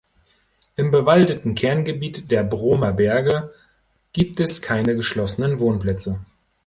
Im bewaldeten Kerngebiet der Brohmer Berge gibt es keine geschlossenen Wohnplätze.